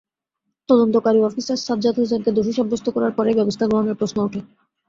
তদন্তকারী অফিসার সাজ্জাদ হোসেনকে দোষী সাব্যস্ত করবার পরই ব্যবস্থা গ্রহণের প্রশ্ন ওঠে।